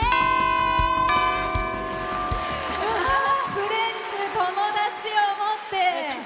「フレンズ」友達を思って。